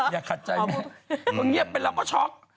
อย่าขัดใจแม่พอเงียบไปแล้วก็ช็อก